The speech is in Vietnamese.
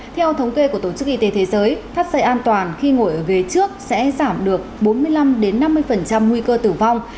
theo thống kê của tổ chức y tế thế giới thắt dây an toàn khi ngồi về trước sẽ giảm được bốn mươi năm năm mươi nguy cơ tử vong